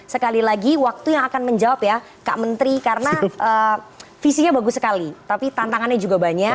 sekali lagi waktu yang akan menjawab ya kak menteri karena visinya bagus sekali tapi tantangannya juga banyak